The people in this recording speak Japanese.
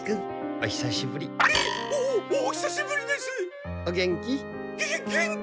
お元気？